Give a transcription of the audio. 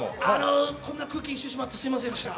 こんな空気にしてしまって、すみませんでした。